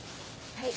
はい。